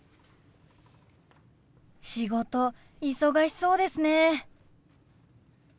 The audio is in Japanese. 仕事忙しそうですね。